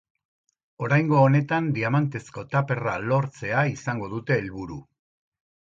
Oraingo honetan, diamantezko tuperra lortzea izango dute helburu.